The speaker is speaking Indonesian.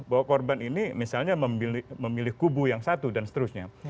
bahwa korban ini misalnya memilih kubu yang satu dan seterusnya